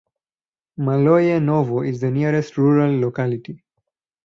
Maloye Novo is the nearest rural locality.